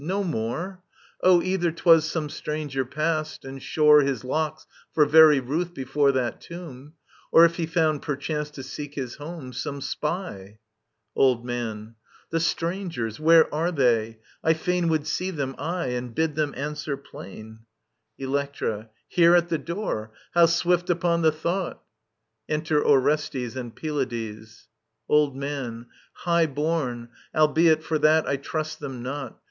No . more I O, either 'twas some stranger passed, and shore His locks for very ruth before that tomb : Or, if he found perchance, to seek his home, Some spy .•. Old Man. Would see The strangers ! Where are they ? I fain them, aye, and bid them answer plain •.• Electra. Here at the door ! How swift upon the thought ! Enter Orestes and Pylades. Old Man. High born : albeit for that I trust them not.